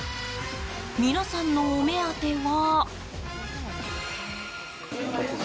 皆さんのお目当ては。